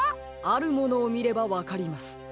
あるものをみればわかります。